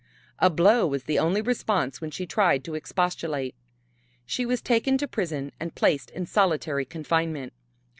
A blow was the only response when she tried to expostulate. She was taken to prison and placed in solitary confinement.